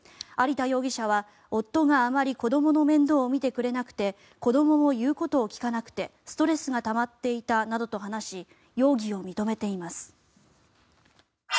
有田容疑者は夫があまり子どもの面倒を見てくれなくて子どもも言うことを聞かなくてストレスがたまっていたなどと話し容疑を認めています。